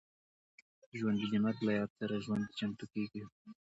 ژوندي د مرګ له یاد سره ژوند ته چمتو کېږي